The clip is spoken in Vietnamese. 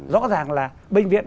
rõ ràng là bệnh viện